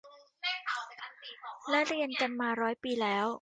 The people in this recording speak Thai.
และเรียนกันมาร้อยปีแล้ว